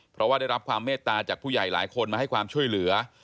เพราะว่าได้รับความเมตตาจากผู้ใหญ่หลายคนมาให้ความช่วยเหลือ